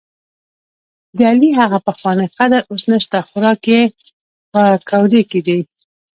دعلي هغه پخوانی قدر اوس نشته، خوراک یې په کودي کې دی.